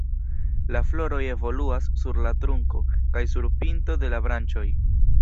La floroj evoluas sur la trunko kaj sur pinto de la branĉoj.